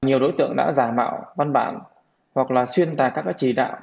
nhiều đối tượng đã giả mạo văn bản hoặc là xuyên tài các chỉ đạo